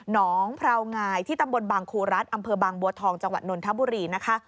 งพราวงายที่ตำบลบางครูรัฐอำเภอบางบัวทองจังหวัดนนทบุรีนะคะ